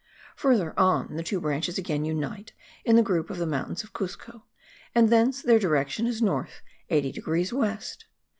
Further on, the two branches again unite in the group of the mountains of Cuzco, and thence their direction is north 80 degrees west.